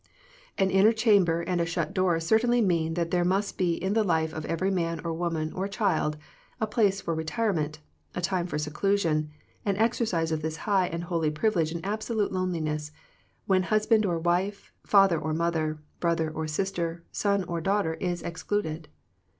An inner chamber and a shut door certainly mean that there must be in the life of every man or woman or child a place for retirement, a time for seclusion, an exercise of this high and holy privi lege in absolute loneliness, when husband or wife, father or mother, brother or sister, son or daugh ter, is excluded.